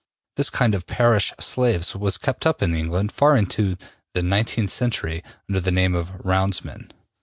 This kind of parish slaves was kept up in England until far into the 19th century under the name of ``roundsmen.''